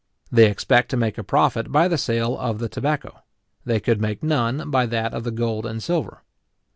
They expect to make a profit by the sale of the tobacco; they could make none by that of the gold and silver.